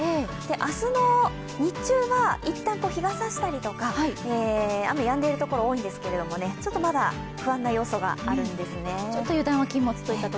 明日の日中は、一旦、日が差したりとか、雨がやんでいるところが多いんですけど、まだ不安な要素があるんですね。